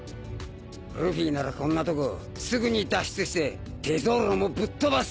ルフィならこんなとこすぐに脱出してテゾーロもぶっ飛ばす。